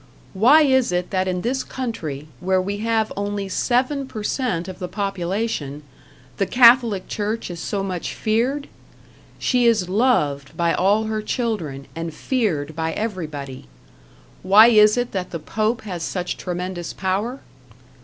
Why is it that in this country, where we have only seven per cent of the population, the Catholic church is so much feared? She is loved by all her children and feared by everybody. Why is it that the Pope has such tremendous power?